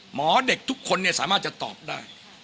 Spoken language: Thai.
หมอเด็กทุกคนสามารถจะตอบได้